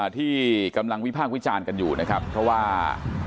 ที่กำลังวิพากษ์วิจารณ์กันอยู่นะครับเพราะว่า